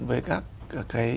với các công nghiệp lần thứ tư